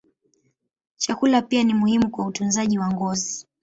Chakula pia ni muhimu kwa utunzaji wa ngozi.